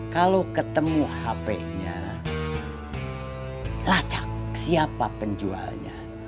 kalau ketemu hp nya lacak siapa penjualnya